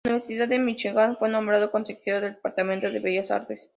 En la Universidad de Michigan fue nombrado consejero del departamento de bellas artes.